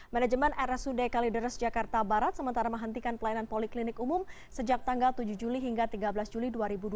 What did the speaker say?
manajemen rsud kalideres jakarta barat sementara menghentikan pelayanan poliklinik umum sejak tanggal tujuh juli hingga tiga belas juli dua ribu dua puluh